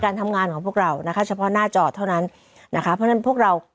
ทำงานของพวกเรานะคะเฉพาะหน้าจอเท่านั้นนะคะเพราะฉะนั้นพวกเรา